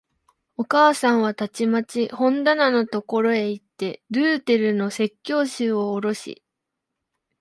お母さんはたちまち本棚のところへいって、ルーテルの説教集をおろし、